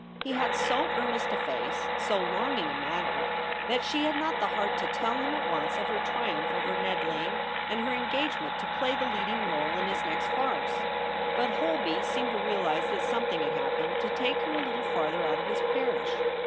He had so earnest a face, so longing a manner, that she had not the heart to tell him at once of her triumph over Ned Ling and her engagement to play the leading role in his next farce. But Holby seemed to realize that something had happened to take her a little farther out of his parish.